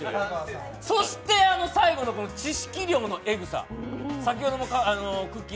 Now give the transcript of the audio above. そして最後の知識量のエグさ、先ほどもくっきー！